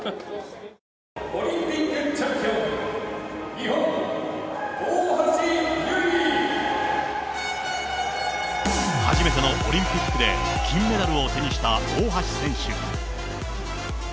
オリンピックチャンピオン、日本、初めてのオリンピックで、金メダルを手にした大橋選手。